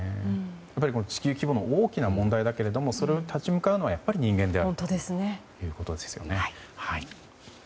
地球規模の大きな問題だけれどもそれに立ち向かうのは人間であるということですね。